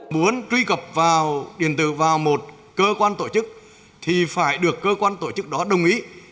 muốn truy cập vào điện tử vào một cơ quan tổ chức thì phải được cơ quan tổ chức đó đồng ý